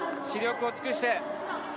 死力を尽くして。